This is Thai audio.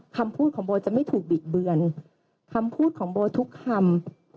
คำพูดของโบจะไม่ถูกบิดเบือนคำพูดของโบทุกคำ